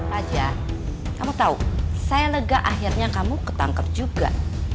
raja kamu tahu saya lega akhirnya kamu ketangkep juga